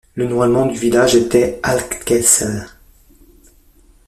Le nom allemand du village était Altkessel.